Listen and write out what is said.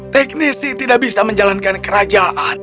teknisi tidak bisa menjalankan kerajaan